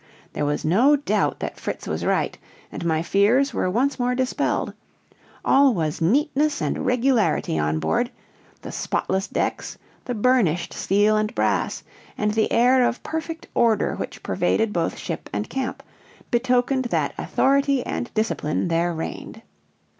There was no doubt that Fritz was right, and my fears were once more dispelled; all was neatness and regularity on board; the spotless decks, the burnished steel and brass, and the air of perfect order which pervaded both ship and camp, betokened that authority and discipline there reigned.